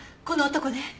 この男ね。